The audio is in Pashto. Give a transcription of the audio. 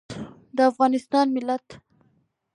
د افغانستان ملت